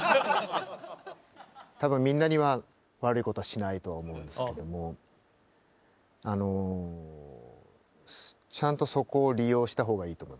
多分みんなには悪いことはしないと思うんですけどもあのちゃんとそこを利用した方がいいと思います。